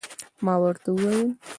ما ورته وویل